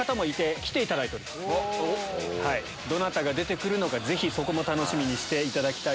どなたが出て来るのかぜひそこも楽しみにしていただきたい。